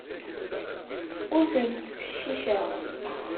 Ur tent-ttfecciceɣ.